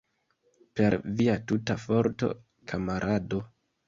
Per via tuta forto, kamarado!